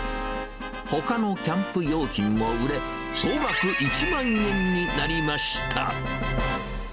ほかのキャンプ用品も売れ、総額１万円になりました。